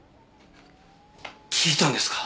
聞いたんですか？